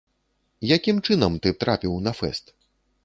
Якім чынам ты трапіў на фэст?